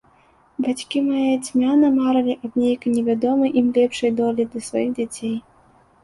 Бацькі мае цьмяна марылі аб нейкай невядомай ім лепшай долі для сваіх дзяцей.